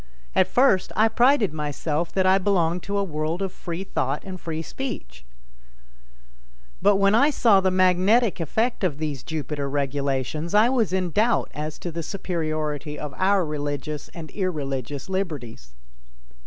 At first I prided myself that I belonged to a world of free thought and free speech, but when I saw the magnetic effect of these Jupiter regulations I was in doubt as to the superiority of our religious and irreligious liberties.